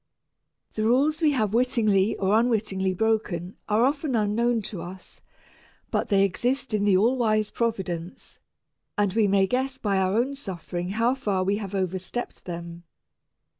The rules we have wittingly or unwittingly broken are often unknown to us, but they exist in the All Wise Providence, and we may guess by our own suffering how far we have overstepped them.